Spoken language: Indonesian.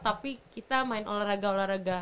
tapi kita main olahraga olahraga